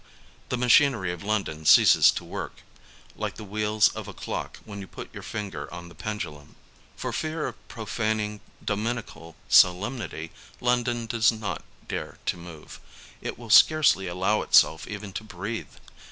The machinery of London ceases to work, like the wheels of a clock when you put your finger on the pendulum. For fear of profaning dominical solemnity, London does not dare to move, it will scarcely allow itself even to breathe.